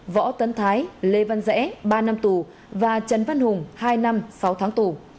võ tấn thái lê văn rẽ và trần văn hùng